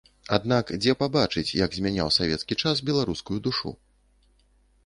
Аднак дзе пабачыць, як змяняў савецкі час беларускую душу?